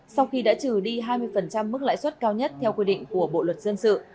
sau khi đã trừ đi hai mươi mức lãi suất cao nhất theo quy định của bộ luật dân sự